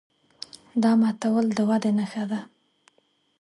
دا ماتول د ودې نښه ده.